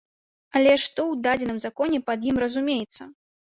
Але што ў дадзеным законе пад ім разумеецца?